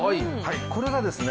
これがですね